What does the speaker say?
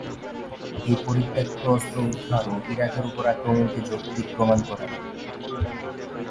এই পরিত্যক্ত অস্ত্র উদ্ধার ও ইরাকের উপর আক্রমণ কে যৌক্তিক প্রমাণ করে না।